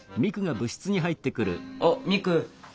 あっミク。